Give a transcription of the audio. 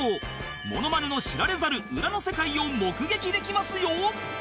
モノマネの知られざる裏の世界を目撃できますよ！